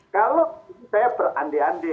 kalau saya berande ande